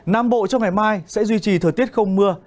nam bộ trong ngày mai sẽ duy trì thời tiết không mưa